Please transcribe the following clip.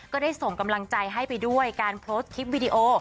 ก็ได้ส่งกำลังใจให้ไปด้วยการโพสต์คลิปวิดีโอ